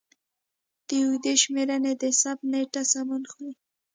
د اوږدې شمېرنې د ثبت نېټه سمون خوري.